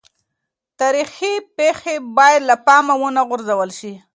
تاریخي پېښې باید له پامه ونه غورځول سي.